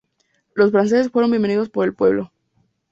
Los franceses fueron bienvenidos por el pueblo.